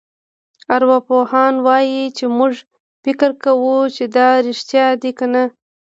ارواپوهان وايي چې موږ فکر کوو چې دا رېښتیا دي کنه.